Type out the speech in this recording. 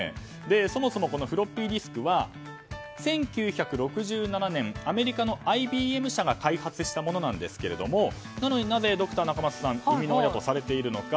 そもそもフロッピーディスクは１９６７年アメリカのＩＢＭ社が開発したものなんですがなのに、なぜドクター・中松さんが生みの親とされているのか。